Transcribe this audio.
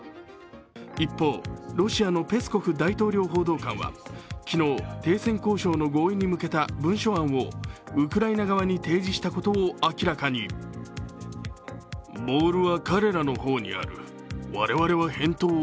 一方、ロシアのペスコフ大統領報道官は昨日、停戦交渉の合意に向けた文書案をウクライナ側に提示したことを明らかに。と発言。